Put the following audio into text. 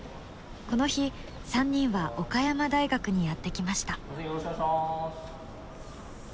この日３人は岡山大学にやって来ました。